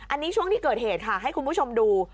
อันนี้ช่วงที่เกิดเหตุค่ะให้คุณผู้ชมดู